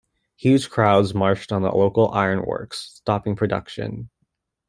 Huge crowds marched on the local iron works, stopping production.